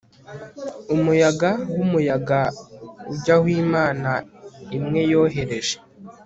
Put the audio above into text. Umuyaga wumuyaga ujya aho imana imwe yohereje